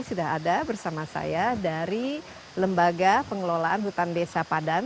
sudah ada bersama saya dari lembaga pengelolaan hutan desa padan